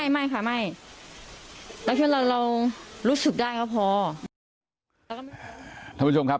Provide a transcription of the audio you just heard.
ไม่ค่ะไม่แล้วถ้าเรารู้สึกได้ก็พอท่านผู้ชมครับ